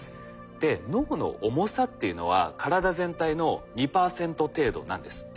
で脳の重さっていうのは体全体の２％程度なんですって。